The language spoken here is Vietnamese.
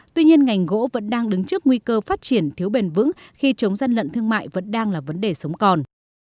tuy nhiên ngành gỗ vẫn đang đứng trước nguy cơ phát triển thiếu bền vững khi chống gian lận thương mại vẫn đang là vấn đề sống còn